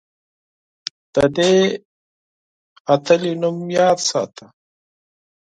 د دې قهرمانې نوم یاد ساته.